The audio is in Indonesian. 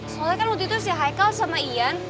soalnya kan waktu itu si haikal sama ian